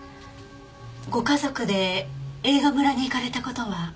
ご家族で映画村に行かれた事は？